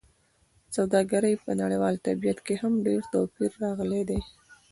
د سوداګرۍ په نړیوال طبیعت کې هم ډېر توپیر راغلی دی.